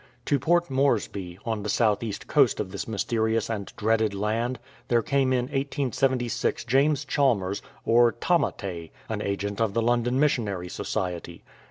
To Port Moresby, on the south east coast of this mysterious and dreaded land, there came in 1876 James Chalmers, or "Tamate,"" an agent of the London Missionary Society.